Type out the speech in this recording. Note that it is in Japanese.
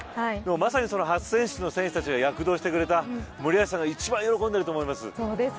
初選出の選手たちが躍動してくれて森保監督が一番喜んでいると思います。